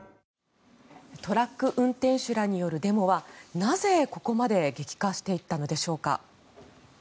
トラック運転手らによるデモはなぜここまで激化していったのでしょうか。